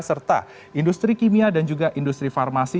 serta industri kimia dan juga industri farmasi